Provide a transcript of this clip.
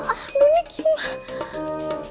aduh ini gimana